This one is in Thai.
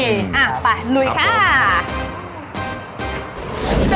อ่าไปลุยค่ะครับโอเคขอบคุณค่ะ